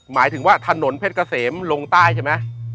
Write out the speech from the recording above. หมายถึงว่าถนนเพชรกะเสมลงใต้ใช่มั้ย